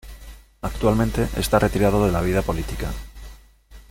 Actualmente está retirado de la vida política.